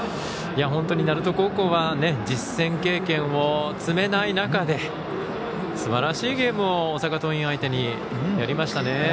本当に鳴門高校は実戦経験を積めない中ですばらしいゲームを大阪桐蔭相手にやりましたね。